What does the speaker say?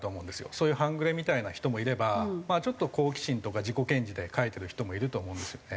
そういう半グレみたいな人もいればちょっと好奇心とか自己顕示で書いてる人もいるとは思うんですよね。